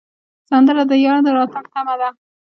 سندره د یار د راتګ تمه ده